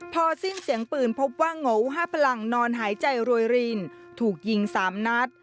พอสิ้นเสียงปืนพบว่าโง๕พลังนอนหายใจรวยรินถูกยิง๓นัด